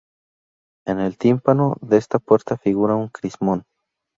En el tímpano de esta puerta figura un crismón.